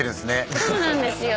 そうなんですよ。